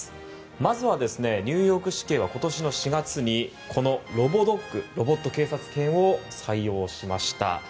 まずは、ニューヨーク市警は今年の４月にロボドッグロボット警察犬を採用しました。